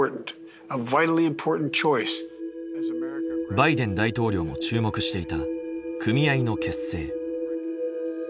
バイデン大統領も注目していた組合の結成。